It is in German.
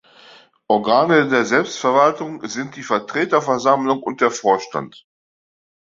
Organe der Selbstverwaltung sind die Vertreterversammlung und der Vorstand.